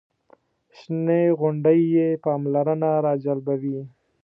شنې غونډۍ یې پاملرنه راجلبوي.